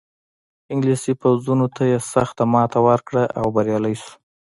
انګلیسي پوځونو ته یې سخته ماتې ورکړه او بریالی شو.